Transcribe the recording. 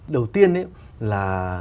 đầu tiên là